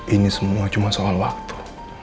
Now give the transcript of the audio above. ini semua cuma soal waktu